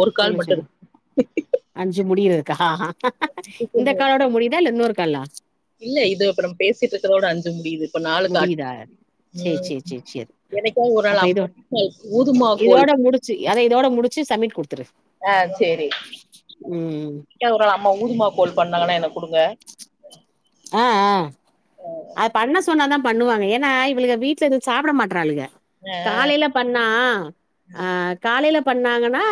ஒரு கால் சொல்லு [unintelligible] மட்டு அஞ்சு முடியறதுக்கா இந்த இருக்கு காலோட முடியுதா இல்ல இன்னொரு காலா இல்ல இது அப்புறம் பேசிட்ருக்குறதோட அஞ்சு முடியுது இப்ப நாலு கால் முடியுதா சேர் ம் சேர் சேர் சேர் என்னைக்காவது ஒரு அப்ப நாள் இது அம்மா ஊதுமா கோல் இதோட முடு சி அத இதோட முடுச்சு சம்மிட் குடுத்துரு ஆ சேரி ம் க ஒரு அம்மா ஊதுமா கோல் பண்ணோன்னே எனக் குடுங்க ஆ ஆ அத் பண்ண சொன்னாதா பண்ணுவாங்க ஏன்னா இவளுக வீட்ல எது சாப்பட மாட்றாளுக ஆ காலையில பண்ணா ஆ காலையில பண்ணாங்கன்னா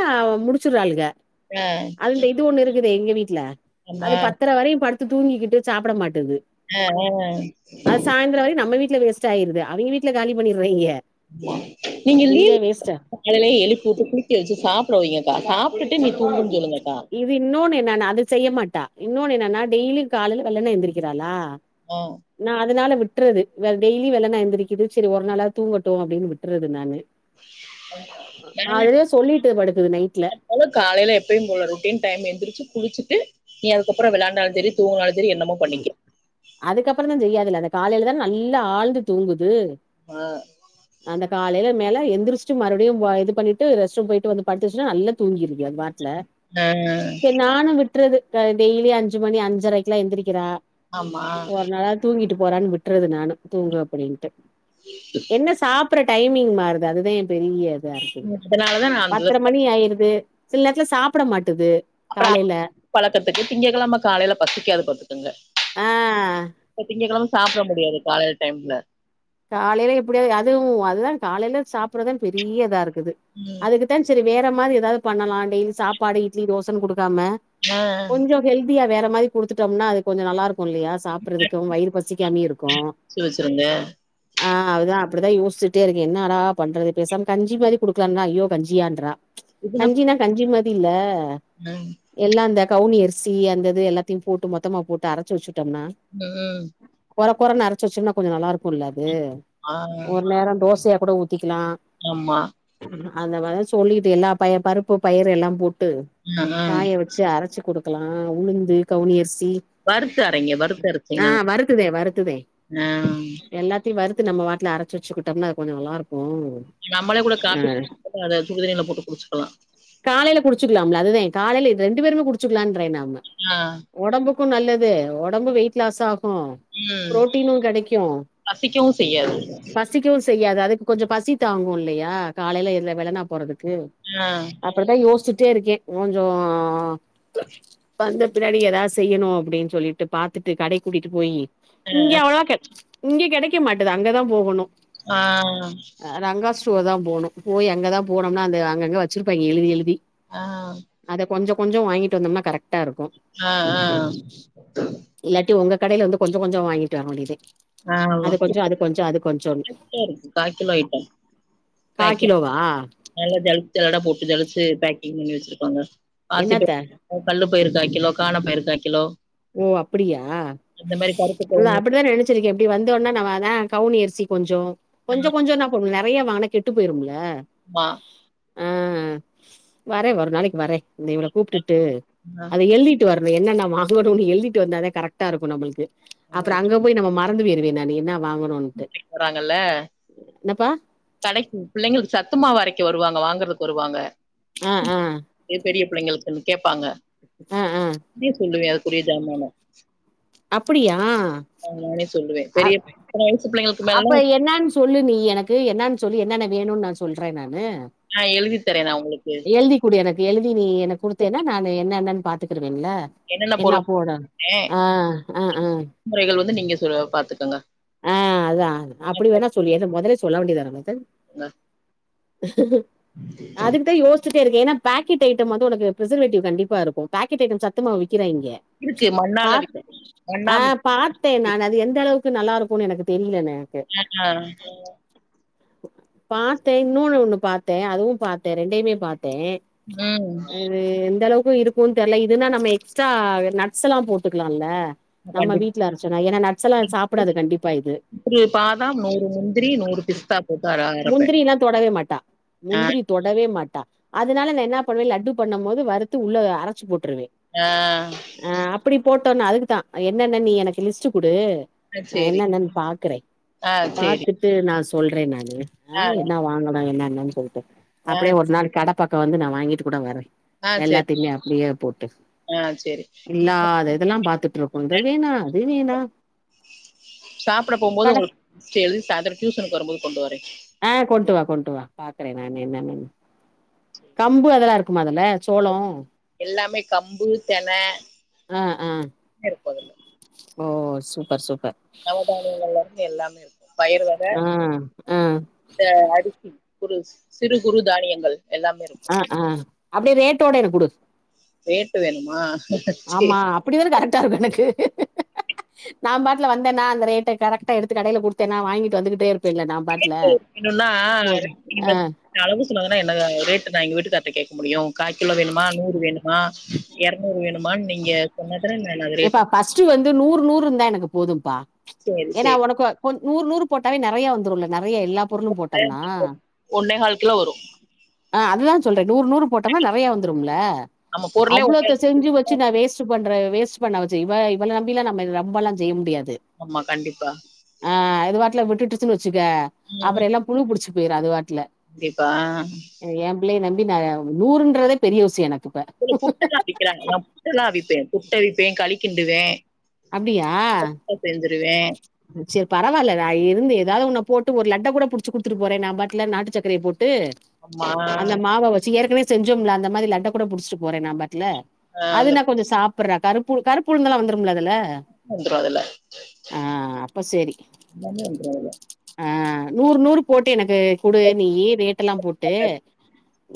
முடிச்சுறாளுக ஆ அது இது ஒண்ணு இருக்குதே எங்க வீட்டுல அது ஆமா பத்தர வரையு படுத்து தூங்கிக்கிட்டு சாப்பட மாட்டேது எ சாயந்தர வரயு நம்ம வீட்ல வேஸ்ட்டாயிருது அவிங்க வீட்ல காலி பண்ணிற்றாய்ங்க நீங்க லீவ் காலைலே எழுப்பி உட்டு குளிக்க வச்சு சாப்பட வைங்கக்கா சாப்ட்டுட்டு நீ தூங்குன் சொல்லுங்கக்கா இது இன்னொன்னு என்னன்னா அது செய்ய மாட்டா இன்னொன்னு என்னன்னா டெய்லியு காலையில வெள்ளன எந்திரிக்கிறாளா ஆ நா அதனால விட்றது வேற டெய்லி வெல்லன எந்திரிக்கிது சரி ஒரு நாளா தூங்கட்டு அப்டின் விட்ற்றது நானு அதுவே சொல்லிட்டு படுக்குது நைட்ல அவலு காலையில எப்பயு போல ரொட்டீன் டைம் எந்திரிச்சு குளிச்சுட்டு நீ அதுக்கப்புற விளாண்டாலு செரி தூங்கனாலு சரி என்னமோ பண்ணிக்கோ அதுக்கப்புற தான செய்யாதுல்ல அந்த காலையில தான நல்லா ஆழ்ந்து தூங்குது ஆ ம் அந்த காலையில மேல எந்திரிச்ஸ்ட்டு மறுபடியு இது பண்ணிட்டு ரெஸ்ட் ரூம் போயிட்டு வந்து படுத்துச்சுா நா தூங்கிருது அது பாட்ல ஆ செர் நானு விட்றது அ டெய்லியு அஞ்சு மணி அஞ்சரைக்கெல்லா எந்திரிக்கிறா ஆமா ஒரு நாளாவ்து தூங்கிட்டு போறான் விட்ற்றது நானு தூங்கு அப்படின்ட்டு என்ன சாப்ற டைமிங் மாறுது அதுதா எ பெரிய தா இருக்குது அதனாலதா நா அந்த பத்தர மணி ஆயிருது சில நேரத்துல சாப்பட மாட்டுது அப்புற காலைல பழக்கத்துக்கு திங்க கிழம காலையில பசிக்காது பாத்துக் கங்க ஆ திங்க கிழம சாப்பட முடியாது காலைல் டைம்ல காலைல எப்டியது அதுவு அதுதா காலைல சாப்புட்றதா பெரிய இதா இருக்குது ம் அதுக்கு த்தே சேரி வேற மாரி ஏதாது பண்ணலா டெய்லி சாப்பாடு இட்லி தோசன் குடுக்காம ஆ கொஞ்சொ ஹெல்தியா வேற மாரி குடுத்துட்டோம்னா அது கொஞ்சொ நல்லா இருக்கு இல்லையா சாப்புட்றதுக்கு வயிறு பசிக்காம இருக்கு [unintelligible] ஆ அதா அப்டிதா யோசிட்டே இருக்கே என்னடா பண்றது பேசாம கஞ்சி மாரி குடுக்கலான்னா ஐயோ கஞ்சியான்றா இதுனா கஞ்சினா கஞ்சி மாதி இல்ல ம் எல்லா அந்த கவுனி அரிசி அந்த இது எல்லாத்தையு போட்டு மொத்தமா போட்டு அரச்சு வச்சுட்டோம்னா ம் கொற கொறனு அரச்சு வச்சோன்னா கொஞ்சொ நல்லா இருக்குல்ல அது ஆ ஒரு நேர தோசையா கூட ஊத் த்திக்லா ஆமா அந்த மாதா சொல்லிட்டு எல்லா பய பருப்பு பயறு எல்லா போட்டு ஆ ஆ காய வச் சு அரச்சு குடுக்கலா உளுந்து கவுனி அரிசி வறுத்து அரைங்க வறுத்து ஆ அரச்சீங்கன்னா வருத்துதே வருத்துதே ஆ எல்லாத்தையு வறுத்து நம்ம வாட்டுல அரச்சு வச்சுக்கிட்டோம்னா அது கொஞ்சொ நல்லா இருக்கு நம்மளே கூட காப்பி ம் [inaudible] அத சுடு தண்ணில போட்டு குடுச்சுக்கலா காலைல குடுச்சுக்கலாம்ல அதுதே காலைல ரெண்டு பேருமே குடுச்சுக்கலான்றே நாம ஆ ஒடம்புக்கு நல்லது ஒடம்பு வெயிட் லாஸ் ஆகு ம் ப்ரோட்டீனு கெடெக்கு பசிக்கவு செய்யாது பசிக்கவு செய்யாது அதுக்கு கொஞ்சொ பசி தாங்கு இல்லையா காலைல இவ்ள வெல்லனா போறதுக்கு ஆ அப்டுத்தா யோச்சுட்டே இருக்கே கொஞ்சோ ப்ப வந்த பின்னாடி ஏதாது செய்யணு அப்டின் சொல்லிட்டு பாத்துட்டு கடைக் கூட்டிட்டு போயி இங்கெ ஆ அவ்ளவா கெ இங்கெ கெடைக்க மாட்டுது அங்கதா போகணு ஆ அ ரங்காஸ் துவ தா போனு போய் அங்கதா போனோம்னா அந்த அங்கங்க வச்சுருப்பாங்கெ எழுதி எழுதி அ கொஞ்சொ கொஞ்சொ வாங்கிட்டு வந்தம்னா கரெக்டா இருக்கு அ அ இல்லாட்டி ஒங்க கடைல வந்து கொஞ்சொ கொஞ்சொ வாங்கிட்டு வர வேண்டிதே ஆமா அது கொஞ்சொ அது கொஞ்சொ அது கொஞ்சோன் [inaudible] இருக்கு கா கிலோ ஐட்டம் கா பேக்கிங் கிலோவா நல்லா ஜலுச்சதொட போட்டு ஜலுச்சு பேக்கிங் பண்ணி வச்சுருப்பாங்க பாசிப் என்னத்த கல்லு பயிறு காக் கிலோ கானாப்பயிறு காக் கிலோ ஓ அப்புடியா இந்த மாரி கருப்பு இல்ல கவுனி அப்புடிதா நெனச் வச்சுருக்கேன இப்டி வந்தோன நா வரேன கவுனிஅரிசி கொஞ்சோ ஆ கொஞ்சொ கொஞ்சொ நம் நெறையா வாங்குனா கெட்டு போயிரும்ல ஆமா அ வரே ஒரு நாளக்கி வரே இந்த இவள கூப்டுட்டு ஆ அத எழுதி ட்டு வரணு என்னென்ன வாங்கணுனு எழுதிட்டு வந்தாதே கரெக்டா இருக்கு நம்மளுக்கு ஆமா அப்பறொ அங்க போய் நம்ம மறந்து பொய்ருவே நானு என்ன வாங்கணுன்ட்டு என்னப்பா கடக்கி புள்ளைங்களுக்கு சத்துமாவு அரைக்க வருவாங்க வாங்குறதுக்கு வருவாங்க ஆ ஆ பெ பெரிய புள்ளைங்களுக்குன்னு கேப்பாங்க ஆ ஆ அப்டியே சொல்லுவே அதுக்குரிய ஜாமான அப்படியா ஆ நானே சொல்லுவே அ பெரிய இத்தன வயசு பிள்ளைங்களுக்கு அப்ப மேலனா என்னான்னு சொல்லு நீ எனக்கு என்னன்னு சொல்லி என்னன்ன வேணும்ன் சொல்றே‌ நானு ஆ எழுதி தரே நா உங்களுக்கு எழுதி குடு எனக்கு எழுதி நீ எனக்கு குடுத்தேன்னா நானு என்ன என்னன் பாத்துக்குடுவேன்ல என்னென்ன என்ன பொருள் போட ஏ ஆ அ அ முறைகள் வந்து நீங்க சொ பாத்துக்கங்க ஆ அதா அது அப்படி வேணா சொல்லி அத மொதலே சொல்ல வேண்டியதான புள்ள அத அதுக்கு தா யோஸ் ச்சிட்டே இருக்கே ஏனா பேக்கட் ஐட்டம் வந்து உனக்கு பிரசர்வேட்டிவ் கண்டிப்பா இருக்கு பாக்கெட் ஐட்டம் சத்துமாவு விக்குதா இங்க இருக்கு மண்ணால பார்த்த விக்குது மண்ணா அ மிக்ஸி பார்த்தே நானு அது எந்த அளவுக்கு நல்லா இருக்குன்னு எனக்கு தெரியலண எனக்கு ஆ பாத்தே இன்னொன்னு ஒண்ணு பாத்தே அதுவு பாத்தே ரெண்டையுமே பாத்தே ம் அது எந்த அளவுக்கு இருக்குன் தெர்ல இதுன்னா நம்ம எக்ஸ்ட்ரா நட்ஸ்ல்லா போட்டுக்கலால நம்ம கண்டிப் வீட்ல அரச்சோனா ஏனா நட்ஸ்செல்லா சாப்படாது கண்டிப்பா இது ஒரு பாதாம் நூறு முந்திரி நூறு பிஸ்தா போட்டு‌ அர அர முந்திரி எல்லா தொடவே மாட்டா முந்திரி தொடவே மாட்டா அதனால நா என்ன பண்ணுவே லட்டு பண்ணும் போது வறுத்து உள்ள அரச்சு போட்ருவே அ அ அப்படி போட்டோன்னா அதுக்குதா என்னன்ன நீ எனக்கு லிஸ்ட்டு குடு அ நா சேரி என்னன்னன் பாக்குறே ஆ சேரி பாத்துட் டு நா சொல்ற நானு ஆ என்ன வாங்கனு என்ன என்னன்னு சொல்ட்டு ஆ அப்படியே ஒரு நாள் கட பக்கோ வந்து நா வாங்கிட்டு கூட வர ஆ சேரி எல்லாத்தையுமே அப்படியே போட்ரு ஆ சேரி எல்லாம் பாத்துட்ருக்கு இத வேணா அது வேணா சாப்பட போகும்போது கட உங்களுக்கு சே எழுதி சாய்ந்ரோ டியூசனுக்கு வரும்போது கொண்டு வரே ஆ கொண்ட்டு வா கொண்ட்டு வா பாக்குற நா என்னன்னு கம்பு அதெல்லா இருக்குமா அதுல சோளோ எல்லாமே கம்பு தென ஆ ஆ இருக்கு அது ஓ சூப்பர் சூப்பர் நவாதானியங்காலிருந்து எல்லாமே இருக்கு பயிரு வக ஆ ஆ இந்த அடிக்கி குறு சிறு குறு தானியங்கள் எல்லாமே இருக் ஆ ஆ அப்டே ரேட்டோட எனக் குடு ரேட்டு வேணுமா சேர் அப்படிதான கரெக்ட்டா இருக்கு எனக்கு நா பாட்ல வந்தனா அந்த ரேட்ட கரெக்ட்டா எடுத்து கடையல குடுத்தேனா வாங்கிட்டு வந்துகிட்டே இருப்பேல்ல நா பாட்ல ரேட்டு வேணும்னா நீங்க ஆ அளவு சொன்னாதான என்ன ரேட்டு நா எங்க வீட்டுக்கார்ட்ட கேக்க முடியு கால்கிலோ வேணுமா நூறு வேணுமா எறா நூறு வேணுமான்னு நீங்க சொன்னதான நா அது ரெட்டு ஸ்ட்டு வந்து நூறு நூறு இருந்தா எனக்கு போதும்பா சேரி ஏனா சேரி ஒனக்கு கொ நூறு நூறு போட்டாவே நறைய வந்துருல நறைய எல்லா பொருளு போட்டம்னா ஒன்னே கால் கிலோ வரும் ஆ அதுதா சொல்ற நூறு நூறு போட்டோம்னா நறைய வந்துரும்ல நம்ம பொருளே ஒன்னே அவ்ளோத்த கால் கிலோ. செஞ்சு வச் சு நா வேஸ்ட்டு பண்ற வேஸ்ட்டு பண்ண வச்சு இவ இவள நம்பில்லா நம்ப ரம்பெல்லா செய்ய முடியாது ஆமா கண்டிப்பா அ அது வாட்டுல விட்டுட்டுச்சுன்னு வச்சுக்கே ம் அப்பறோ எல்லா புழு புடிச்சு போயிரு அது வாட்டுல கண்டிப்பா ஏம் பிள்ளையே நம்பி ந நூறுன்றதே பெரிய விஷயோ எனக்கு இப்ப. இங்க புட்டெல்லா அவிக்கிறாங்கலா புட்டெல்லா அவிப்பே புட்டவிப்பே களி கிண்டுவே அப்டியா சரி பரவாயில்ல நா இருந்து ஏதாவது ஒன்ன போட்டு ஒரு லட்ட கூட புடுச்சு குடுத்துட்டு போறே நா பாட்டுல நாட்டு சக்கரைய போட்டு ஆமா அந்த மாவ வச்சு ஏற்கனவே செஞ்சோம்ல அந்த மாரி லட்ட கூட புடிச்சிட்டு போறே நா பாட்டுல ஆ அந்த அதுனா கொஞ்சோ சாப்டுறா கருப்பு கருப்புளுந்துல்லா வந்துரும்மல அதுல்ல வந்துரு அதுல எல்லாமே வந்துரு அதுல அ நூறு நூறு போட்டு எனக்கு குடு அதுல நீயி ரேட்ட எல்லா போட்டு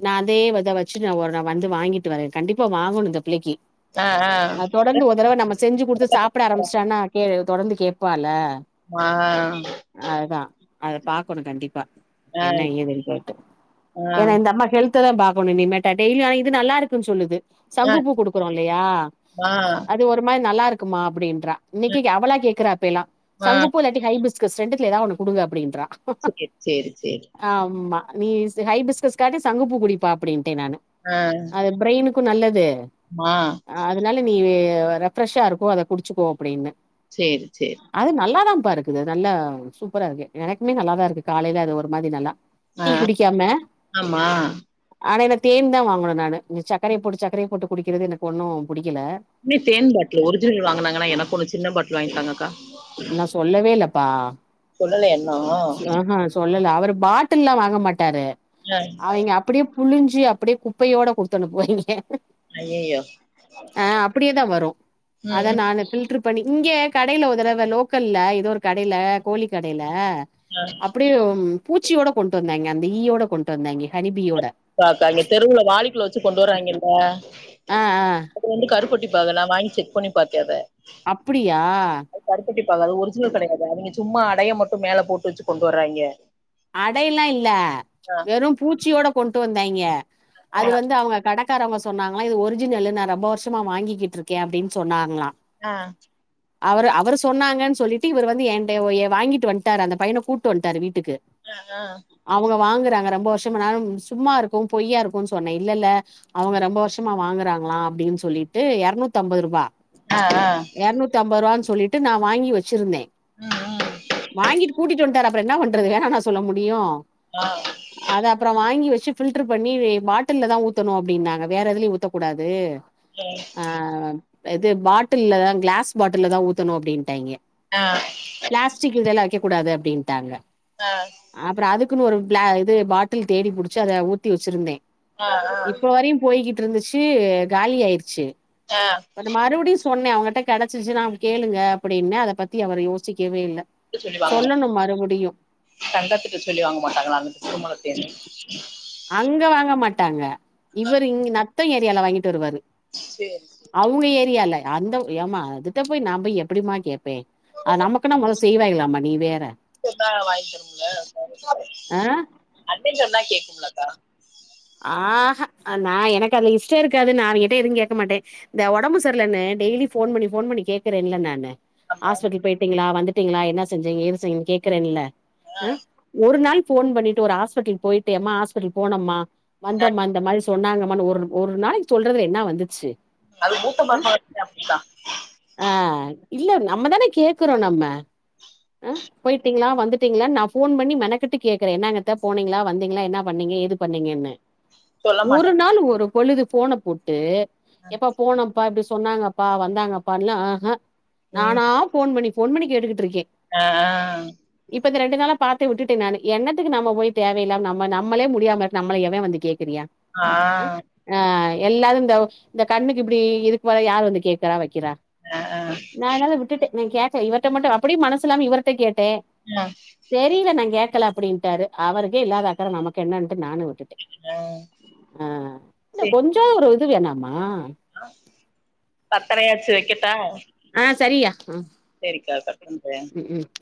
நா அதே வச்சுட்டு நான் ஒரு நா வாங்கிட்டு வரேன் கண்டிப்பா வாங்கணு இந்த பிள்ளைக்கு ஆ ஆ அ தொடர்ந்து ஒரு தடவ நம்ம செஞ்சு கொடுத்து சாப்ட ஆரம்பச்சிட்னா கே தொடர்ந்து கேட்பால அ அ அததா அத பாக்கணு கண்டிப்பா என்ன ஏன் இ போட்டு ஏன்னா இந்த அம்மா ஹெல் ஹெல்த்ததா பாக்கணு இனிமே ட டெய்லி அலையுது நல்லாருக்குதுன்னு சொல்லுது ஆ ஆ சங்குப்பூ குடுக்குறோ இல்லையா ஆ அது ஒரு மாரி நல்லா இருக்கு இருக்குமா அப்டின்றா இன்னைக்கு அவளா கேக்குற இப்பல்லா ஆ சங்குப்பூல ஹைபிஸ்கஸ் ரெண்டுத்துல ஏதா ஒன்னு குடுங்க அப்டின்றா சேரி சேரி சேரி ஆமா நீ ஹைபிஸ்க்கான்டி சங்குப்பூ குடிப்ப அப்டின்ட்டே நானு அ அது பிரெயினக்கு நல்லது மா அதனால நீ ரெஃப்ரெஷ்ஷா இருக்கோ அத குடிச்சுக்கோ அப்டின்னே சேரி சேரி அது நல்லாதாப்பா இருக்குது நல்லா சூப்பரா இருக்கு எனக்குமே நல்லாதா இருக்கு காலையில அது ஒரு மாரி நல்லா ஆ டீ குடிக்காம ஆமா ஆனா என்ன தேன் தா வாங்கணு நானு இந்த சக்கரய போட்டு சக்கரய போட்டு குடிக்கிறது எனக்கு ஒண்ணு புடிக்கல அண்ணி தேன் பாட்லு ஒரிஜினல் வாங்குனாங்கன்னா எனக்கு ஒரு சின்ன பாட்டில் வாங்கிதாங்கக்கா நா சொல்லவே இல்லப்பா சொல்லல இன்னு அ ஹு சொல்லல அவரு பாட்டில்ல்லா வாங்க மாட்டாரு ஆ அவிங்க அப்டியே புளிஞ்சு அப்டியே குப்பையோட குடுத்து அனுப்புவாரு இங்க ஐயயோ அ அப்டியேதா வரு ம் அத ம் நானு பில்ட்ரு பி இங்கே கடையில ஒரு தடவ லோக்கல்லல ஏதோ ஒரு கடையில கோழி கடையில ஆ அப்டியே பூச்சியோட கொண்டு வந்தாய்ங்க அந்த ஈயோட கொண்டு வந்தாய்ங்க ஹனிபீயோட பாக்கா தெருவுல வாளிக்குல வச்சு கொண்டு வர்றாய்ங்கல்ல அ அ அப்றோ வந்து கரு பெட்டிப்பாகு நா வாங்கி செக் பண்ணி பாத்தே அத அப்டியா அது கருப்பட்டி பாகு அது ஒரிஜினல் கெடையாது அவிங்க சும்மா அடய மட்டு மேலே போட்டு வச்சு கொண்டு வர்றாய்ங்க அடைல்லா இல்ல ஆ வெறு பூச்சியோட கொண்டு வந்தாய்ங்க ஆ அது வந்து அவங்க கட கடக்காரவங்க சொன்னாங்களா இது ஒரிஜினலு நா ரொம்ப வருஷமா வாங்கிக்கிட்டு இருக்கே சொன்னாங்களா அ அவரு அவரு சொன்னாங்கன்னு சொல்லிட்டு இவரு வந்து என்ட வாங்கிட்டு வன்ட்டாரு அந்த பையன கூட்டு வன்டாரு வீட்டுக்கு அ அ அவுங்க வாங்குறாங்க ரொம்ப வருஷம்னாலு சும்மா இருக்கு பொய்யா இருக்குனு சொன்ன இல்ல இல்ல அவங்க ரொம்ப வருஷமா வாங்குறாங்களா அப்டின்னு சொல்லிட்டு எரநூத்தம்பது ருபா ஆ ஆ எரநூத்தம்பது ருவான்னு சொல்லிட்டு நா வாங்கி வச்சுருந்தே ம் ம் வாங்கிட்டு கூட்டிட்டு வன்ட்டாரு அப்புற என்ன பண்றது வேணான்னா சொல்ல முடியு ஆ அத அப்றோ வாங்கி வச்சு ஃபில்டர் பண்ணி பாட்டில்லதா ஊத்தணு அப்டின்னாங்க வேற எதுலயு ஊத்தக்கூடாது ம் ஆ இது பாட்டல்தா கிளாஸ் பாட்டல் தா ஊத்தணு அப்டின்ட்டாய்ங்க அ பிளாஸ்டிக் இதல்லா வைக்ககூடாது அப்டின்டாங்க ஆ அப்றோ அதுக்குன்னு ஒரு பிள இது பாட்டில் தேடி புடிச்சு அத ஊத்தி வச்சிருந்தே ஆ ஆ இப்ப வரையு போய்கிட்டு இருந்துச்சு காலி ஆயிருச்சு ஆ ஒரு மறுபடியு சொன்ன அவங்கட்ட கெடைச்சிச்சுன்னா கேளுங்க அப்டின்னு அத பத்தி அவரு யோசிக்கவே இல்ல சொல்லணு மறுபடியு கண்டத்துட்டு சொல்லி வாங்க மாட்டாங்களா [unintelligible] மல தேனு அங்க வாங்க மாட்டாங்க இவர் இங் நத்தோ ஏரியால வாங்கிட்டு வருவாரு சேரி சேரி அவங்க ஏரியால அந்த ஏமா அதுட்ட போய் நம்ப எப்டிமா கேட்பே அ நமக்குன்னா மொத செய்வாயலாமா நீ வேற சுதா வாங்கி தரும்ல ஆ அண்ண சொன்னா கேக்குலக்கா ஆஹா நா எனக்கு அதுல இஷ்டோ இருக்காது நா அவகிட்ட எதுவு கேக்க மாட்டே இந்த ஓடம்பு சர்லன்னு டெய்லி ஃபோன் பண்ணி ஃபோன் பண்ணி கேக்குறேன்ல்ல நானு ஆமா ஹாஸ்பிட்டல் போயிட்டீங்களா வந்துட்டீங்களா என்ன செஞ்ச ஏதுசெய் கேக்குறன்ல ஆ ஒரு நாள் ஃபோன் பண்ணிட்டு ஒரு ஹாஸ்பிட்டல் போயிட்டு யம்மா ஹாஸ்பிட்டல் போனம்மா ஆ வந்தோமா இந்த மாரி சொன்னாங்கமானு ஒரு ஒரு நாளைக்கு சொல்றதுல என்னா வந்துச்சு அது மூத்த அ மருமக [inaudible] அப்டிதா ஆ இல்ல நம்மதான கேக்கறோ நம்ம அ போயிட்டீங்களா வந்துட்டீங்களா நா ஃபோன் பண்ணி மெனக்கட்டு கேக்குறே என்னாங்கத்த போனீங்களா வந்தீங்களா என்ன பண்ணீங்க ஏது பண்ணீங்கன்னு சொல்ல ஒரு மாட்டா நாளு ஒரு பொழுது ஃபோன போட்டு எப்பா போனோ பா இப்டி சொன்னாங்கப்பா வந்தாங்கப்பா இல்ல ஆஹ ம் நானா ஃபோன் பண்ணி ஃபோன் பண்ணி கேட்டுக்கிட்ருக்கே ஆ ஆ இப்ப ரெண்டு நாளா பாத்த விட்டுட்டே நானு என்னத்துக்கு நம்ம போய் தேவையில்லாம நம்ம நம்மளே முடியாம இரு நம்மள எவ வந்து கேக்குறியா ஆ ஆ எல்லாரு இந்த இந்த கண்ணுக்கு இப்டி இது போல யாரு வந்து கேக்குறா வக்கிறா ஆ ஆ நா அதனால விட்டுட்ட நா கேக்கல இவர்ட்ட மட்டு அப்டியு மனசுல்லாம இவர்ட்ட கேட்டே அ தெரில நாங் கேக்கல அப்டின்ட்டாரு அவருக்கே இல்லாதா அக்கற நமக்கு என்னன்ட்டு நானு விட்டு அ ஆ இல்ல கொஞ்சோ ஒரு இது வேணாமா பத்தரையாச்சு வக்கட்டா ஆ சரியா ஆ சேரிக்கா கட் பண்றே ம் ம்